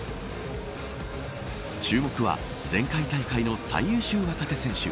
注目は前回大会の最優秀若手選手